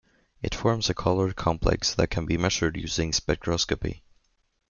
It forms a colored complex that can be measured using spectroscopy.